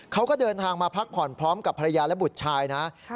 เขาก็เดินทางมาพักผ่อนพร้อมกับภรรยาและบุตรชายนะ